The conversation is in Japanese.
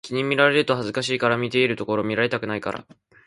君に見られると恥ずかしいから、見ているところを見られたくないから